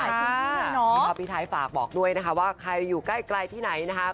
เพราะว่าพี่ไทยฝากบอกด้วยนะคะว่าใครอยู่ใกล้ที่ไหนนะคะ